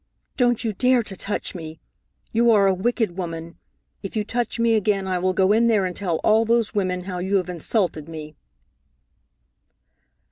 "Don't you dare to touch me! You are a wicked woman! If you touch me again, I will go in there and tell all those women how you have insulted me!"